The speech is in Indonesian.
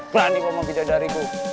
berani bawa video dari gue